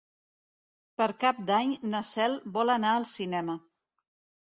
Per Cap d'Any na Cel vol anar al cinema.